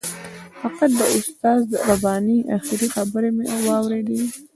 فقط د استاد رباني آخري خبرې مې واورېدې.